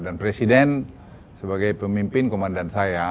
dan presiden sebagai pemimpin komandan saya